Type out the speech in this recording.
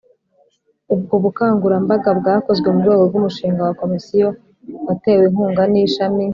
Ubwo bukangurambaga bwakozwe mu rwego rw umushinga wa Komisiyo watewe inkunga n Ishami